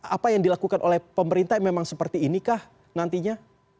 apa yang dilakukan oleh pemerintah memang seperti inikah nantinya